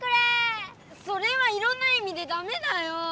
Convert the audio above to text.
それはいろんないみでダメだよ！